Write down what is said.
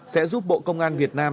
sẽ giúp bộ công an việt nam